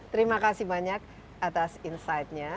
terima kasih banyak atas insightnya